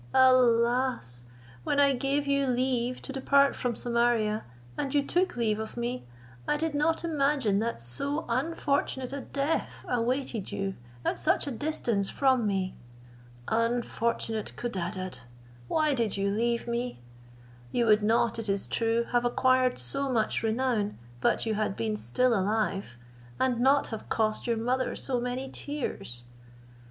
Alas! when I gave you leave to depart from Samaria, and you took leave of me, I did not imagine that so unfortunate a death awaited you at such a distance from me. Unfortunate Codadad! Why did you leave me? You would not, it is true, have acquired so much renown, but you had been still alive, and not have cost your mother so many tears."